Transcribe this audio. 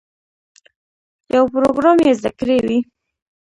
یو پروګرام یې زده کړی وي.